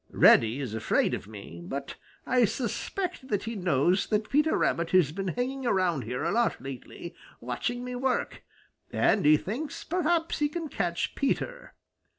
Reddy is afraid of me, but I suspect that he knows that Peter Rabbit has been hanging around here a lot lately, watching me work, and he thinks perhaps he can catch Peter.